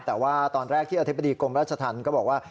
แต่ว่าตอนแรกที่อธิบดีกรมราชธรรมก็บอกว่า